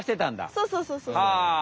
そうそうそうそう。